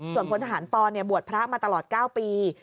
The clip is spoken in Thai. ส่วนพลทหารปอนบวชพระมาตลอด๙ปี